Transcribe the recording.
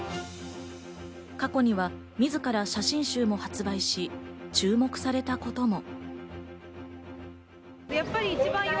過去には自ら写真集も発売し、注目されたことも。